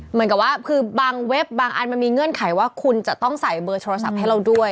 เหมือนกับว่าคือบางเว็บบางอันมันมีเงื่อนไขว่าคุณจะต้องใส่เบอร์โทรศัพท์ให้เราด้วย